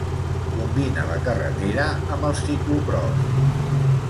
Combina la carretera amb el ciclocròs.